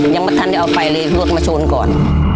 อย่ามาทันเอาไปเลยลูกมาชูนก่อน